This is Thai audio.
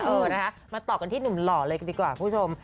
เออนะคะมาต่อกันที่หนุ่มหล่อเลยกันดีกว่าคุณผู้ชม